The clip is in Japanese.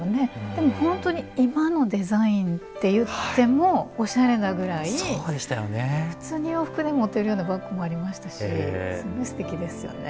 でも本当に今のデザインって言ってもおしゃれなぐらい普通に洋服で持てるようなバッグもありましたしすごいすてきですよね。